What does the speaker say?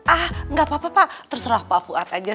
ah nggak apa apa pak terserah pak fuad aja